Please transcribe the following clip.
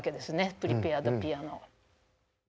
プリペアド・ピアノを。